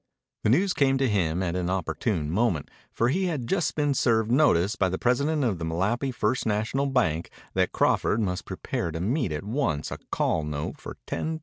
The news came to him at an opportune moment, for he had just been served notice by the president of the Malapi First National Bank that Crawford must prepare to meet at once a call note for $10,000.